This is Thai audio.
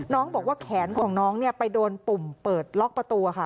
น้องบอกว่าแขนของน้องเนี่ยไปโดนปุ่มเปิดล็อกประตูค่ะ